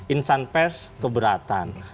insan pers keberatan